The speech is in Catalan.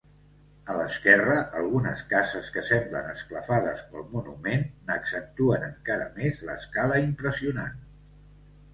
A l'esquerra, algunes cases que semblen esclafades pel monument n'accentuen encara més l'escala impressionant.